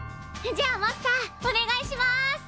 じゃあマスターお願いします！